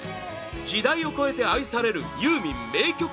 時代を超えて愛されるユーミン名曲